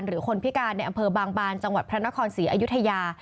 หรือคนพิการในอำเภอบางบานจังหวัดพระนครศรีอยุธยา